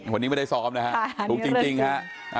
วันนี้ไม่ได้ซ้อมนะฮะถูกจริงฮะ